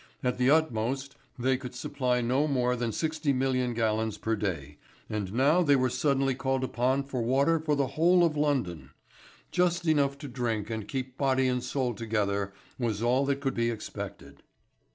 At the utmost they could supply no more than 60,000,000 gallons per day and now they were suddenly called upon for water for the whole of London. Just enough to drink and keep body and soul together was all that could be expected.